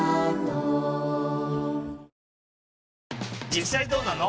実際どうなの？